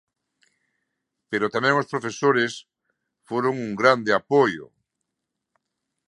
Pero tamén os profesores foron un grande apoio.